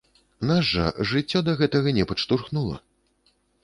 Нас жа жыццё да гэтага не падштурхнула.